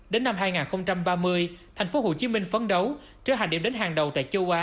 đến năm hai nghìn ba mươi thành phố hồ chí minh phấn đấu trở thành điểm đến hàng đầu tại châu á